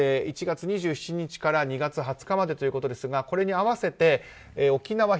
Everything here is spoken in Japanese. １月２７日から２月２０日までということですがこれに合わせて沖縄、